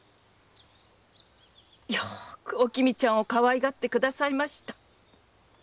よくおきみちゃんをかわいがってくださいました。